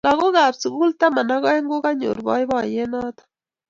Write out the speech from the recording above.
Lagookab sugul taman ak agenge kokanyor boiboiyet notok